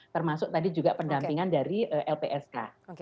termasuk tadi juga pendampingan dari lpsk